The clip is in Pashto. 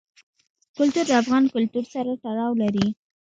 کلتور د افغان کلتور سره تړاو لري.